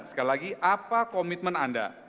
sekali lagi apa komitmen anda